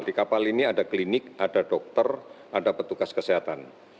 di kapal ini ada klinik ada dokter ada petugas kesehatan